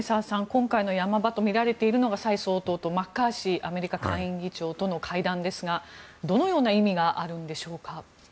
今回の山場とみられているのが蔡総統とマッカーシーアメリカ下院議長の会談ですがどのような意味があるんでしょうか。